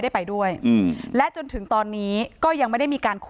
ที่โพสต์ก็คือเพื่อต้องการจะเตือนเพื่อนผู้หญิงในเฟซบุ๊คเท่านั้นค่ะ